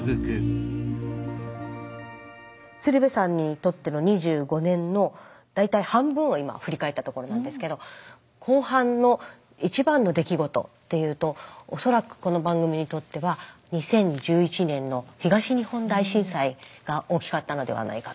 鶴瓶さんにとっての２５年の大体半分を今振り返ったところなんですけど後半の一番の出来事っていうと恐らくこの番組にとっては２０１１年の東日本大震災が大きかったのではないかと。